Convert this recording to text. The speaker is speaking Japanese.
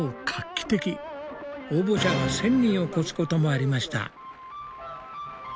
応募者が１，０００人を超すこともありました。